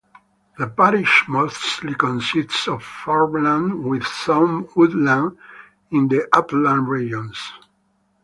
The parish mostly consists of farmland, with some woodland in the upland regions.